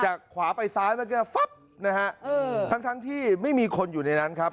ขวาไปซ้ายเมื่อกี้ฟับนะฮะเออทั้งทั้งที่ไม่มีคนอยู่ในนั้นครับ